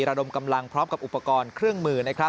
ระดมกำลังพร้อมกับอุปกรณ์เครื่องมือ